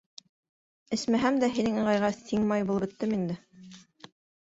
Эсмәһәм дә һинең ыңғайға ҫиңмай булып бөттөм инде!